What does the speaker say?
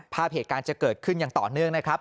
ภาพเหตุการณ์จะเกิดขึ้นอย่างต่อเนื่องนะครับ